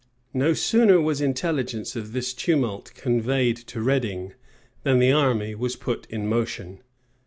38 No sooner was intelligence of this tumult conveyed to Reading, than the army was put in motion.